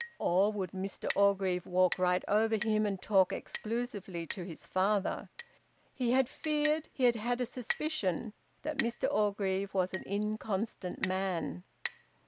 Or would Mr Orgreave walk right over him and talk exclusively to his father? He had feared, he had had a suspicion, that Mr Orgreave was an inconstant man.